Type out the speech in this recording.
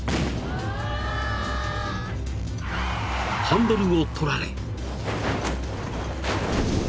［ハンドルを取られ］